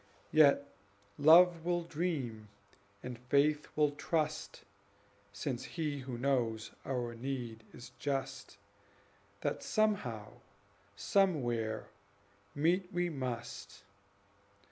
Yet Love will dream, and Faith will trust, (Since He who knows our need is just,) That somehow, somewhere, meet we must.